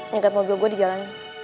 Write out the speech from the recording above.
nyeget mobil gua di jalanin